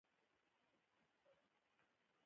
ټوله دنیا به ګل و ګلزاره کړي.